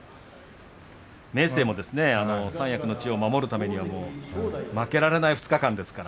明生も三役の地位を守るためにはもう負けられない２日間ですから。